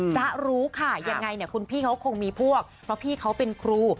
จะรู้ค่ะยังไงเนี่ยคุณพี่เขาคงมีพวกเพราะพี่เขาเป็นครู